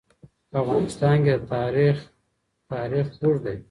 په افغانستان کې د تاریخ تاریخ اوږد دی.